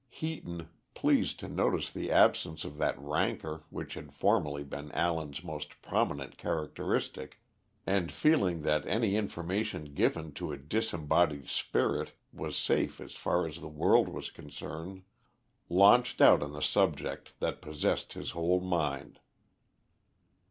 Heaton, pleased to notice the absence of that rancour which had formerly been Allen's most prominent characteristic, and feeling that any information given to a disembodied spirit was safe as far as the world was concerned, launched out on the subject that possessed his whole mind.